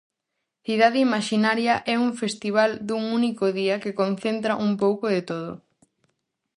Cidade Imaxinaria é un festival dun único día que concentra un pouco de todo.